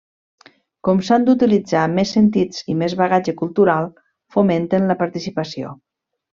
Com s'han d'utilitzar més sentits i més bagatge cultural, fomenten la participació.